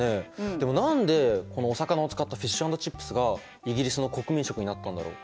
でも何でこのお魚を使ったフィッシュ＆チップスがイギリスの国民食になったんだろう？